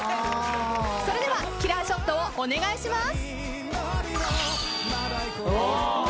それではキラーショットをお願いします。